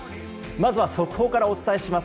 まず速報からお伝えします。